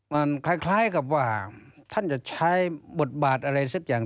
มันคล้ายกับว่าท่านจะใช้บทบาทอะไรสักอย่าง